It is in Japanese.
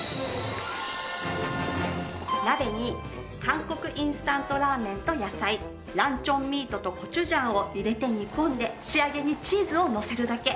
鍋に韓国インスタントラーメンと野菜ランチョンミートとコチュジャンを入れて煮込んで仕上げにチーズをのせるだけ。